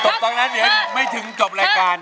ตอนนั้นเดี๋ยวไม่ถึงจบรายการ